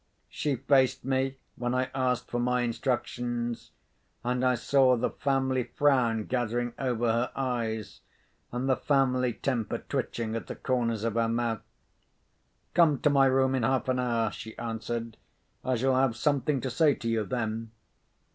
She faced me, when I asked for my instructions; and I saw the family frown gathering over her eyes, and the family temper twitching at the corners of her mouth. "Come to my room in half an hour," she answered. "I shall have something to say to you then."